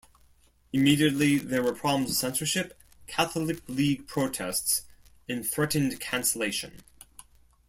Immediately there were problems with censorship, Catholic League protests, and threatened cancellation.